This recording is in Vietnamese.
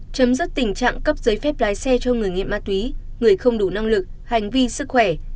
chấm dứt tình trạng cấp giấy phép lái xe cho người nghiện ma túy người không đủ năng lực hành vi sức khỏe